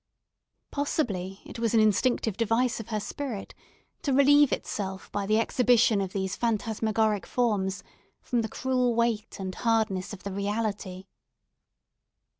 Possibly, it was an instinctive device of her spirit to relieve itself by the exhibition of these phantasmagoric forms, from the cruel weight and hardness of the reality.